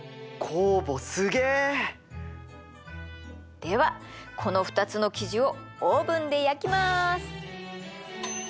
酵母すげえ！ではこの２つの生地をオーブンで焼きます！